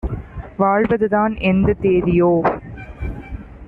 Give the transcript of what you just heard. வாழ்வதுதான் எந்தத் தேதியோ?